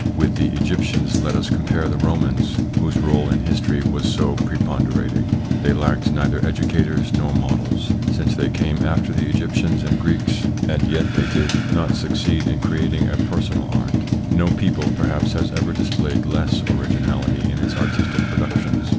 With the Egyptians let us compare the Romans, whose role in history was so preponderating. They lacked neither educators nor models, since they came after the Egyptians and Greeks ; and yet they did 66 THE PSYCHOLOGY OF PEOPLES: not succeed in creating a personal art. No people, perhaps, has ever displayed less originality in its artistic productions.